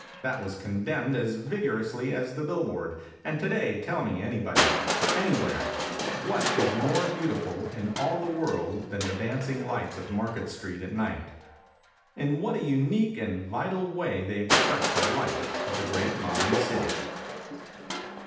That was condemned as vigorously as the billboard. And today, tell me, anybody, anywhere what is more beautiful in all the world than the dancing lights of Market Street at night. In what a unique and vital way they express the life of the great modern city.